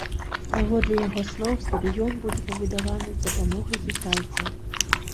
Паводле яго слоў, стадыён будзе пабудаваны з дапамогай кітайцаў.